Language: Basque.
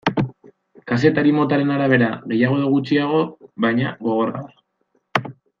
Kazetari motaren arabera gehiago edo gutxiago, baina, gogorra da.